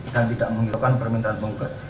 dan tidak menghilangkan permintaan penggugat